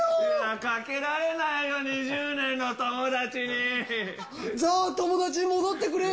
かけられないよ、２０年の友じゃあ、友達に戻ってくれよ。